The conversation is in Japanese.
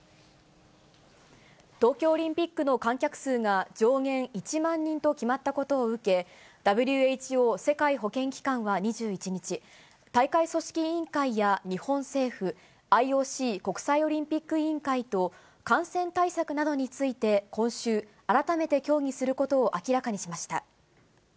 東京オリンピックの観客数が上限１万人と決まったことを受け、ＷＨＯ・世界保健機関は２１日、大会組織委員会や日本政府、ＩＯＣ・国際オリンピック委員会と、感染対策などについて今週、改めて協議することを明らかにしました。